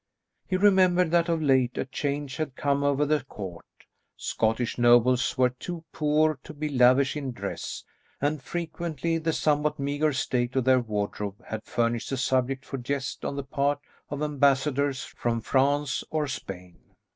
He remembered that of late a change had come over the court. Scottish nobles were too poor to be lavish in dress, and frequently the somewhat meagre state of their wardrobe had furnished a subject for jest on the part of ambassadors from France or Spain.